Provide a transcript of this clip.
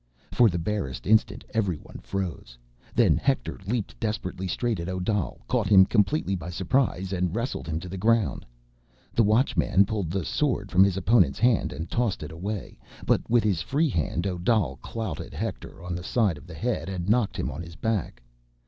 For the barest instant everyone froze. Then Hector leaped desperately straight at Odal, caught him completely by surprise, and wrestled him to the ground. The Watchman pulled the sword from his opponent's hand and tossed it away. But with his free hand, Odal clouted Hector on the side of the head and knocked him on his back.